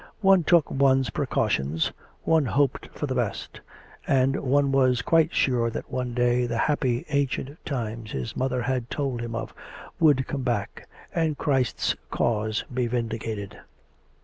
One took one's precautions, one hoped for the best; and one was quite sure that one day the happy ancient times his mother had told him of would come back, and Christ's cause be vindicated.